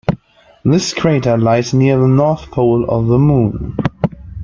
This crater lies near the north pole of the Moon.